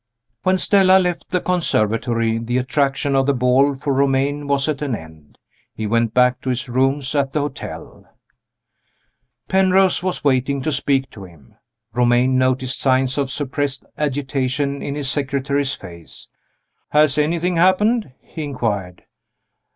WHEN Stella left the conservatory, the attraction of the ball for Romayne was at an end. He went back to his rooms at the hotel. Penrose was waiting to speak to him. Romayne noticed signs of suppressed agitation in his secretary's face. "Has anything happened?" he inquired.